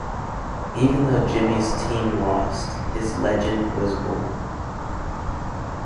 Even though Jimmy's team lost, his legend was born.